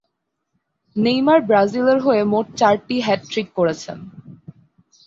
Neymar ব্রাজিলের হয়ে মোট চারটি হ্যাটট্রিক করেছেন।